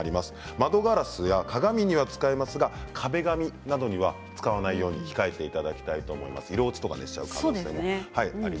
窓ガラスや鏡には使えますが壁紙には使わないように控えていただきたいということでした。